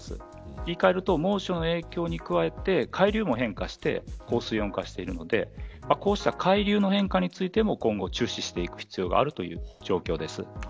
言い換えると、猛暑の影響に加えて海流も変化していて高水温化しているので海流の変化についても注視していく必要があるという状況です。